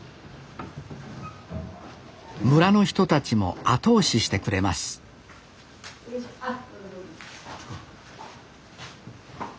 村の人たちも後押ししてくれますこっちか。